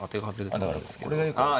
だからこれがよかった。